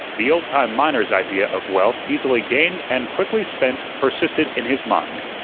The oldtime miner's idea of wealth easily gained and quickly spent persisted in his mind.